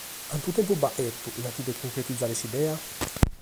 Cantu tempus ddoe at chertu in antis de cuncretizare s’idea?